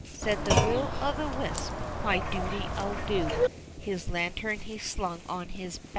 Said the Will o' the wisp, " My duty I'll do." His lantern he slung on his back.